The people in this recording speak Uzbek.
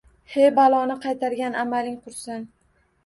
He, baloni qaytargan amaling qursin